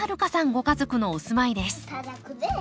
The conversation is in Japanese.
ご家族のお住まいです。